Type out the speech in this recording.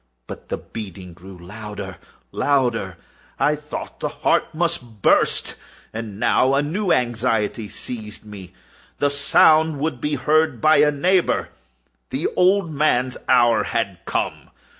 But the beating grew louder, louder! I thought the heart must burst. And now a new anxiety seized me—the sound would be heard by a neighbour! The old man's hour had come!